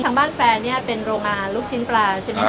ทางบ้านแฟนเนี่ยเป็นโรงงานลูกชิ้นปลาใช่ไหมคะ